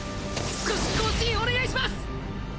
少し交信お願いします！